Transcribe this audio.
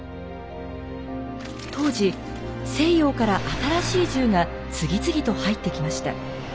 当時西洋から新しい銃が次々と入ってきました。